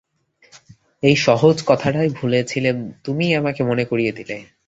এই সহজ কথাটাই ভুলে ছিলেম, তুমিই আমাকে দিলে মনে করিয়ে।